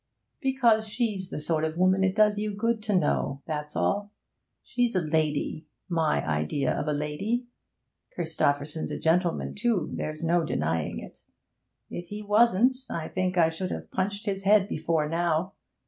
'Because she's the sort of woman it does you good to know, that's all. She's a lady my idea of a lady. Christopherson's a gentleman too, there's no denying it; if he wasn't, I think I should have punched his head before now.